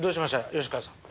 吉川さん。